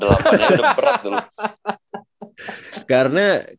delapan yang udah berat dulu